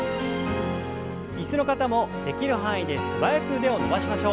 椅子の方もできる範囲で素早く腕を伸ばしましょう。